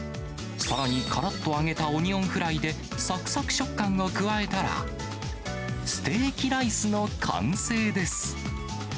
さらにからっと揚げたオニオンフライでさくさく食感を加えたら、ステーキライスの完成です。